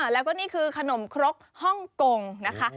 แล้วก็นี่คือขนมครกฮ่องกงนะคะ